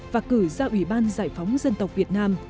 và cử ra ủy ban giải phóng dân tộc việt nam